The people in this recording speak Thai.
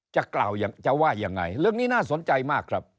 จะกล่าวอย่างจะว่ายังไงเรื่องนี้น่าสนใจมากครับ